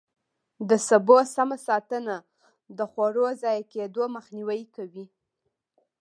د سبو سمه ساتنه د خوړو ضایع کېدو مخنیوی کوي.